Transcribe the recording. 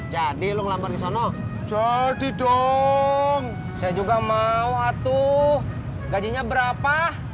jadi lu ngelambar di sana jadi dong saya juga mau atuh gajinya berapa